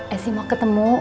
esi mau ketemu